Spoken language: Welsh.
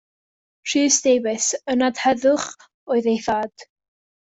Rhys Davies, ynad heddwch, oedd ei thad.